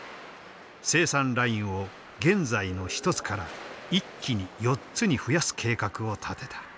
生産ラインを現在の１つから一気に４つに増やす計画を立てた。